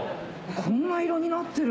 こんな色になってる。